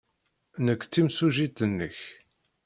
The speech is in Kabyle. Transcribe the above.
Nekk d timsujjit-nnek.